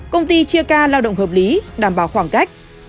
công ty chia ca lao động hợp lý đảm bảo khoảng cách